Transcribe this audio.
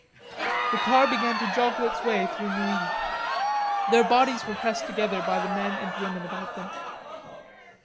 The car began to joggle its way through Neuilly. Their bodies were pressed together by the men and women about them.